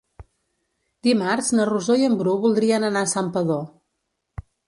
Dimarts na Rosó i en Bru voldrien anar a Santpedor.